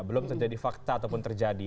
belum terjadi fakta ataupun terjadi